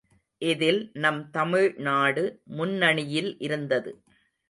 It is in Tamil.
இதில் நம் தமிழ் நாடு முன்னணியில் இருந்தது.